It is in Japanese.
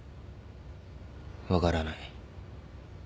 分からない。